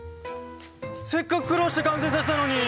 せっかく苦労して完成させたのに！